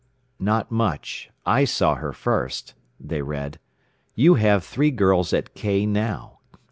"... not much. I saw her first," they read. "You have three girls at K now....